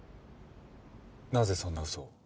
なぜそんな嘘を？